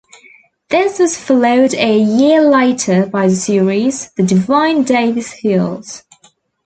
This was followed a year later by the series "The Divine David Heals".